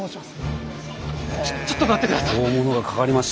ちょちょっと待って下さい！